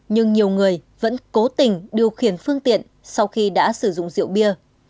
nhưng nhiều người vẫn cố tình điều khiển phương tiện sau khi đã sử dụng rượu bia